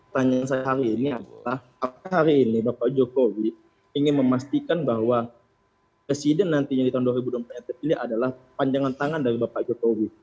tanya saya hari ini adalah apakah hari ini bapak jokowi ingin memastikan bahwa presiden nantinya di tahun dua ribu dua puluh empat ini adalah panjangan tangan dari bapak jokowi